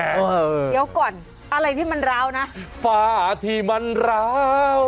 เดี๋ยวก่อนอะไรที่มันร้าวนะฝ้าที่มันร้าว